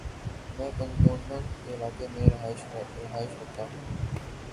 میں کینٹونمینٹ کے علاقے میں رہائش رکھتا ہوں۔